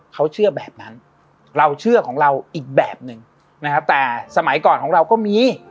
เขาเชื่อแบบนั้นเราเชื่อของเราอีกแบบหนึ่งนะครับแต่สมัยก่อนของเราก็มี